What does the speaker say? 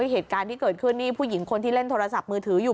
เหตุการณ์ที่เกิดขึ้นนี่ผู้หญิงคนที่เล่นโทรศัพท์มือถืออยู่